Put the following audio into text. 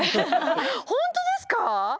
本当ですか！？